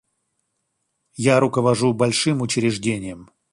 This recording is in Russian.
Я руковожу большим учреждением.